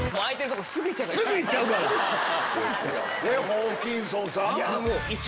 ホーキンソンさん。